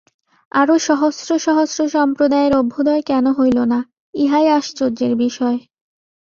আরও সহস্র সহস্র সম্প্রদায়ের অভ্যুদয় কেন হইল না, ইহাই আশ্চর্যের বিষয়।